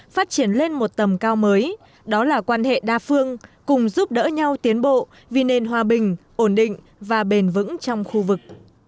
phát triển lên một tầm cao mới đó là quan hệ đa phương cùng giúp đỡ nhau tiến bộ vì nền hòa bình ổn định và bền vững trong khu vực